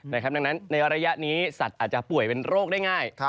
ดังนั้นในระยะนี้สัตว์อาจจะป่วยเป็นโรคได้ง่าย